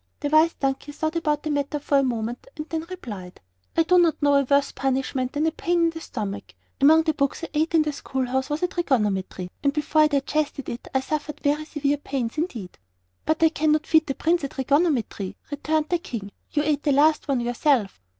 The Wise Donkey thought about the matter for a moment and then replied: "I do not know a worse punishment than a pain in the stomach. Among the books I ate in the school house was a trigonometry, and before I had digested it I suffered very severe pains indeed." "But I can not feed the Prince a trigonometry," returned the King. "You ate the last one yourself."